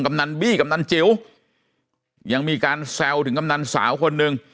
กำนันบี้กำนันจิ๋วยังมีการแซวถึงกำนันสาวคนหนึ่ง